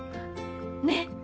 ねっ。